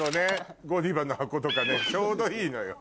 ゴディバの箱とかねちょうどいいのよ。